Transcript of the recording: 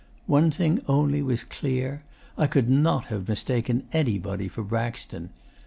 One thing only was clear. I could NOT have mistaken anybody for Braxton.